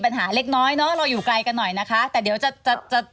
ปัญหาเล็กน้อยเราอยู่ไกลกันหน่อยนะคะแต่เดี๋ยวจะ